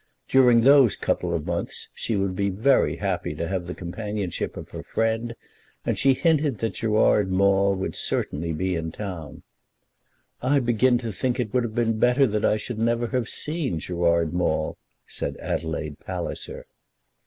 During those couple of months she would be very happy to have the companionship of her friend, and she hinted that Gerard Maule would certainly be in town. "I begin to think it would have been better that I should never have seen Gerard Maule," said Adelaide Palliser.